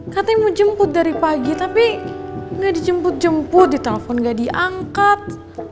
katanya mau jemput dari pagi tapi nggak dijemput jemput ditelepon gak diangkat